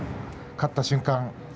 勝った瞬間